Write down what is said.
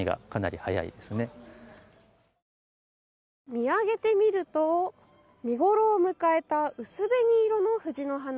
見上げてみると見ごろを迎えた薄紅色の藤の花。